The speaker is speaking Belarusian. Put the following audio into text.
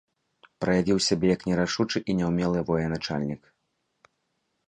Праявіў сябе як нерашучы і няўмелы военачальнік.